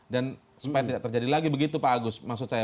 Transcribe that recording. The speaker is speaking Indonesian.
dan supaya tidak terjadi lagi begitu pak agus maksud saya